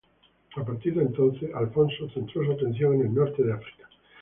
A partir de entonces, Alfonso centró su atención en el norte de África.